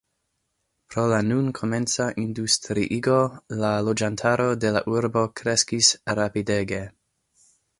Pro la nun komenca industriigo la loĝantaro de la urbo kreskis rapidege.